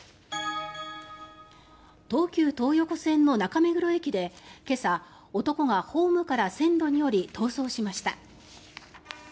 東急東横線の中目黒駅で今朝男がホームから線路に降り逃走しました。